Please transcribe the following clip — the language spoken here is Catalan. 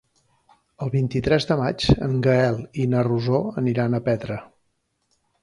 El vint-i-tres de maig en Gaël i na Rosó aniran a Petra.